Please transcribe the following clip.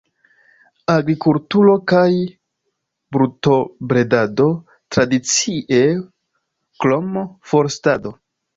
Agrikulturo kaj brutobredado tradicie, krom forstado.